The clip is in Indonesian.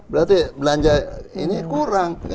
berarti belanja ini kurang